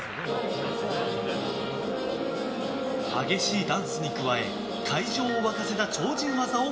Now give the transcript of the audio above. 激しいダンスに加え会場を沸かせた超人技を